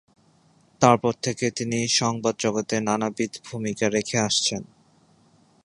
তারপর থেকে তিনি সংবাদ জগতে নানাবিধ ভূমিকা রেখে আসছেন।